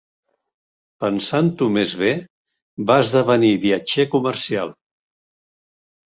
Pensant-ho més bé, va esdevenir viatger comercial.